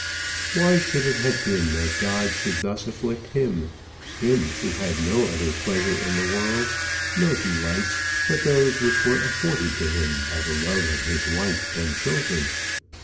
Why should it have been that God should thus afflict him, him who had no other pleasure in the world, no delights, but those which were afforded to him by the love of his wife and children?